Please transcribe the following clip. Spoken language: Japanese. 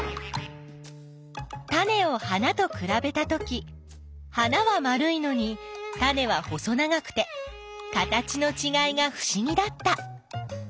タネを花とくらべたとき花は丸いのにタネは細長くて形のちがいがふしぎだった。